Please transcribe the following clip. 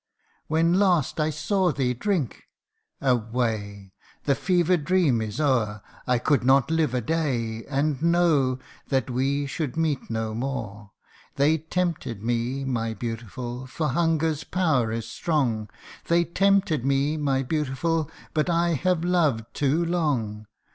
When last I saw thee drink ! away ! the fevered dream is o'er I could not live a day, and know, that we should meet no more ! They tempted me, my beautiful ! for hunger's power is strong They tempted me, my beautiful ! but 1 have loved too long.